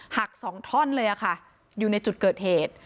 หัก๒ต้อนเลยอะค่ะอยู่ในจุดเกิดเหตุ